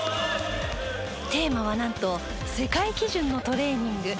テーマはなんと世界基準のトレーニング。